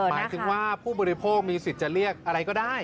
หมายถึงว่าผู้บริโภคมีสิทธิ์จะเรียกอะไรก็ได้